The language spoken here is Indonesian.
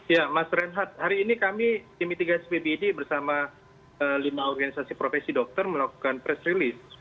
ya mas renhad hari ini kami timitiga spbd bersama lima organisasi profesi dokter melakukan press release